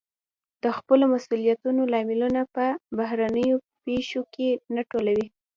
د خپلو مسوليتونو لاملونه په بهرنيو پېښو کې نه لټوي.